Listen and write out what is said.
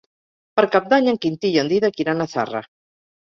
Per Cap d'Any en Quintí i en Dídac iran a Zarra.